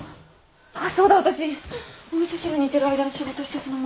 あっそうだ私お味噌汁煮てる間に仕事してそのまま。